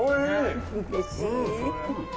うれしい！